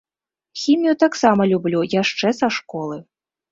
Хімію таксама люблю яшчэ са школы.